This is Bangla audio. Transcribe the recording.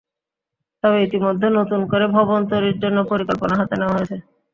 তবে ইতিমধ্যে নতুন করে ভবন তৈরির জন্য পরিকল্পনা হাতে নেওয়া হয়েছে।